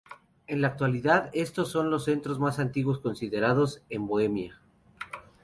En la actualidad estos son los centros más antiguos considerados en Bohemia.